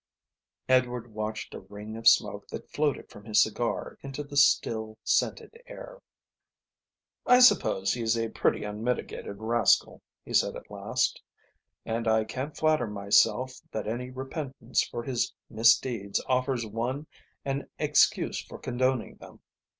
Edward watched a ring of smoke that floated from his cigar into the still, scented air. "I suppose he is a pretty unmitigated rascal," he said at last. "And I can't flatter myself that any repentance for his misdeeds offers one an excuse for condoning them.